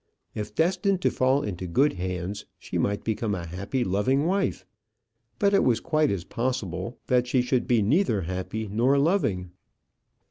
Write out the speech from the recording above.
If destined to fall into good hands, she might become a happy, loving wife; but it was quite as possible that she should be neither happy nor loving.